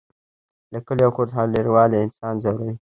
له کلي او کور څخه لرېوالی انسان ځوروي